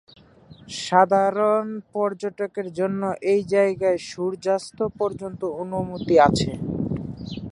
সাধারণ পর্যটকদের জন্য এ জায়গায় সূর্যাস্ত পর্যন্ত অনুমতি আছে।